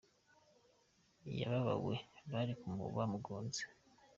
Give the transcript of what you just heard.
Yebabawe! Bari bamugonze!